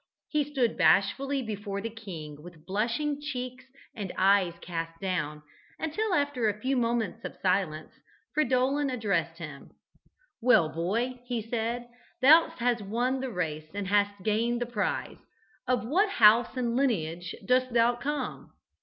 He stood bashfully before the king, with blushing cheeks and eyes cast down, until, after a few moments of silence, Fridolin addressed him. "Well, boy," he said, "thou hast won the race and hast gained the prize. Of what house and lineage dost thou come?"